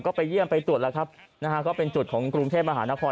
ก็ไปเยี่ยมไปตรวจแล้วครับนะฮะก็เป็นจุดของกรุงเทพมหานคร